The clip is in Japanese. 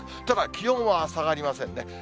ただ、気温は下がりませんね。